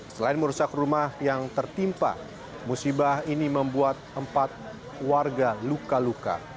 selain merusak rumah yang tertimpa musibah ini membuat empat warga luka luka